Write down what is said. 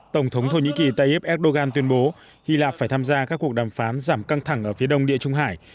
tổng thống thổ nhĩ kỳ tayyip erdogan tuyên bố hy lạp phải tham gia các cuộc đàm phán giảm căng thẳng ở phía đông địa trung hải